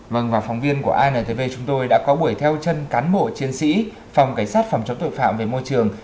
vâng và phóng viên của intv chúng tôi đã có buổi theo chân cán bộ chiến sĩ phòng cảnh sát phòng chống tội phạm về môi trường